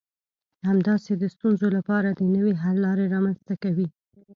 همداسې د ستونزو لپاره د نوي حل لارې رامنځته کوي.